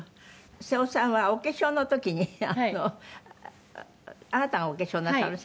瀬尾さんはお化粧の時にあのあなたがお化粧なさる？先生のね。